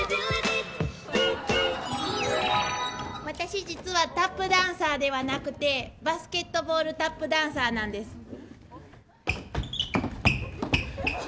私、実はタップダンサーではなくてバスケットボールタップダンサーなんです。